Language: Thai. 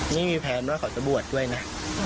นี่มีแพลนว่าเขาจะบวชด้วยนะ